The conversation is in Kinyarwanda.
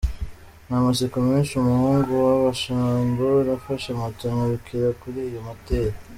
N’amatsiko menshi umuhungu w’abashambo nafashe moto nyarukira kuri iyo motel.